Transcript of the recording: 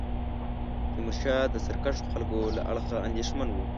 تیمورشاه د سرکښو خلکو له اړخه اندېښمن وو.